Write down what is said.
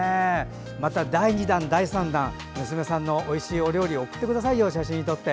また第２弾、第３弾娘さんのおいしいお料理を送ってください、写真に撮って。